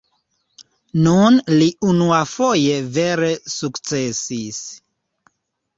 Nun li unuafoje vere sukcesis.